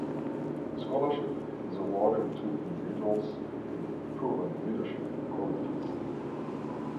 The scholarship is awarded to individuals with proven leadership qualities.